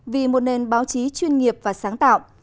vì một nền báo chí chuyên nghiệp và sáng tạo